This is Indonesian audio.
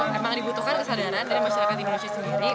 memang dibutuhkan kesadaran dari masyarakat indonesia sendiri